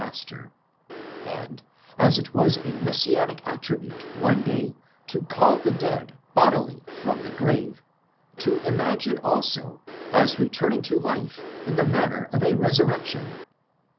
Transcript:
743 master, and, as it was a messianic attribute one day to call the dead bodily from the grave, to imagine also as returning to life in the manner of a resur rection